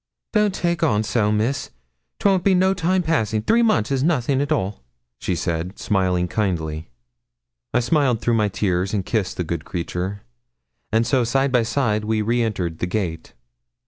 'Don't take on so, Miss; 'twon't be no time passing; three months is nothing at all,' she said, smiling kindly. I smiled through my tears and kissed the good creature, and so side by side we re entered the gate.